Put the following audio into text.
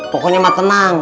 pokoknya mah tenang